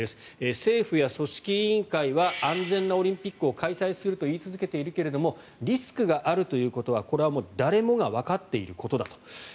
政府や組織委員会は安全なオリンピックを開催すると言い続けているけれどリスクがあるということはこれは誰もがわかっていることだと。